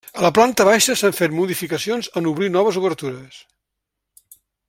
A la planta baixa s'han fet modificacions en obrir noves obertures.